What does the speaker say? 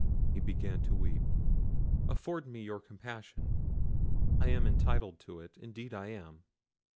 (he began to weep); "afford me your compassion; I am entitled to it, indeed I am.